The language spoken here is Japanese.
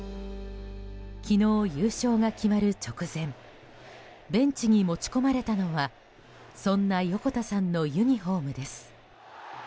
昨日、優勝が決まる直前ベンチに持ち込まれたのはそんな横田さんのユニホームです。